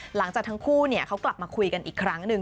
หลังจากทั้งคู่เขากลับมาคุยกันอีกครั้งหนึ่ง